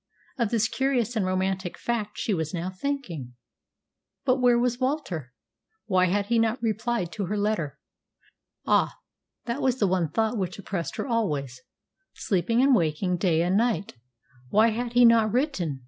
Of this curious and romantic fact she was now thinking. But where was Walter? Why had he not replied to her letter? Ah! that was the one thought which oppressed her always, sleeping and waking, day and night. Why had he not written?